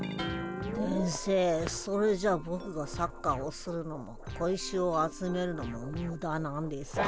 先生それじゃあボクがサッカーをするのも小石を集めるのもムダなんですか？